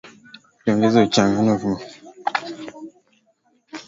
iliongeza uchungu kati ya wakoloni na wanamgambo